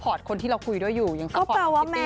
ผมก็ไม่มีอะไรขึ้นหน้าจริงเป็นเพื่อนกันอยากจะนั่งด้วยกัน